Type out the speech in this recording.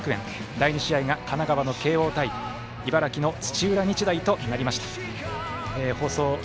第２試合が神奈川の慶応対茨城の土浦日大となりました。